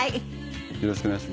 よろしくお願いします。